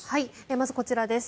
まずこちらです。